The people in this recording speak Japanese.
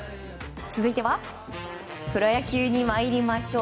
続いてはプロ野球に参りましょう。